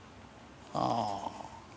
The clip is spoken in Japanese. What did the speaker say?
ああ。